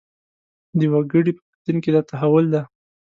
د وګړي په باطن کې دا تحول دی.